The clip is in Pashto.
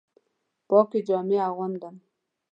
پاکې جامې اغوندم